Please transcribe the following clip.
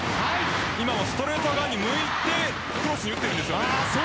今もストレート側に向いてクロス打っているんです。